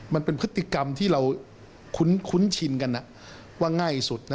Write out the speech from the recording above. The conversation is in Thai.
มันเป็นพฤติกรรมที่เราคุ้นชินกันว่าง่ายสุดนะ